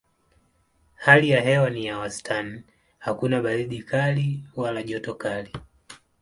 Hali ya hewa ni ya wastani hakuna baridi kali wala joto kali.